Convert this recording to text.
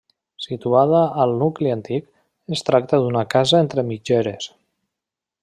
Situada al nucli antic, es tracta d'una casa entre mitgeres.